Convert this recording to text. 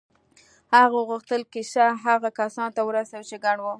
هغه غوښتل کیسه هغو کسانو ته ورسوي چې کڼ وو